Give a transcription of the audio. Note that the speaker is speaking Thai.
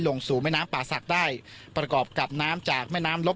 ลงสู่แม่น้ำป่าศักดิ์ได้ประกอบกับน้ำจากแม่น้ำลบ